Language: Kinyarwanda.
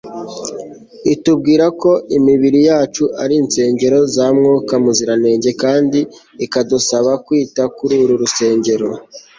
itubwira ko imibiri yacu ari insengero za mwuka muziranenge; kandi ikadusaba kwita kuri uru rusengero